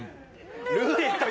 ルーレットは！？